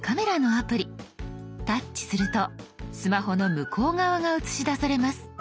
タッチするとスマホの向こう側が写し出されます。